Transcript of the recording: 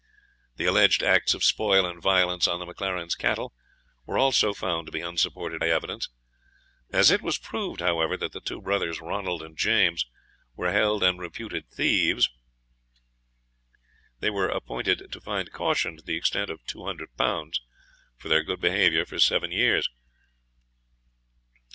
The alleged acts of spoil and violence on the MacLarens' cattle, were also found to be unsupported by evidence. As it was proved, however, that the two brothers, Ronald and James, were held and reputed thieves, they were appointed to find caution to the extent of L200, for their good behaviour for seven years.